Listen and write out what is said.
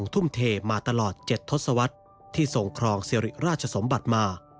ทุ่มเทมาตลอดเจ็ดทสวรรค์ที่ทรงครองเสร็จราชสมบัติมา